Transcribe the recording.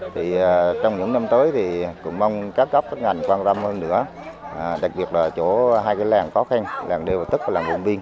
thì trong những năm tới thì cũng mong các cấp các ngành quan tâm hơn nữa đặc biệt là chỗ hai cái làng khó khăn làng đeo tức và làng vùng biên